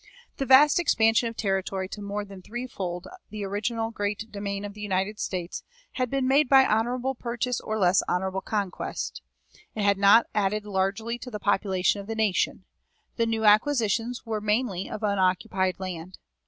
The vast expansion of territory to more than threefold the great original domain of the United States had been made by honorable purchase or less honorable conquest. It had not added largely to the population of the nation; the new acquisitions were mainly of unoccupied land.